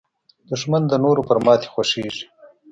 دښمن د نورو پر ماتې خوښېږي